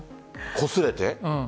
こすれて？